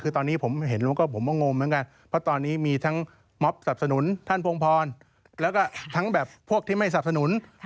คือตอนนี้ผมเห็นรู้ก็ผมก็งงเหมือนกันเพราะตอนนี้มีทั้งม็อบสับสนุนท่านพงพรแล้วก็ทั้งแบบพวกที่ไม่สนับสนุน